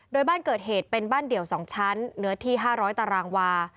โดยบ้านเกิดเหตุเป็นบ้านเดี่ยว๒ชั้นเนื้อที่๕๐๐ตารางวา